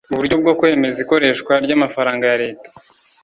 uburyo bwo kwemeza ikoreshwa ry'amafaranga ya leta.